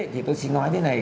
thì tôi xin nói thế này